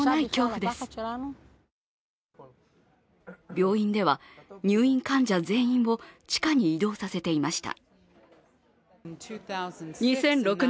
病院では入院患者全員を地下に移動させていました。